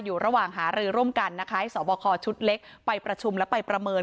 อยู่ระหว่างหารือร่วมกันนะคะให้สอบคอชุดเล็กไปประชุมและไปประเมิน